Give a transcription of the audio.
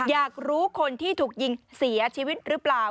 อยากรู้คนที่ถูกยิงเสียชีวิตหรือเปล่า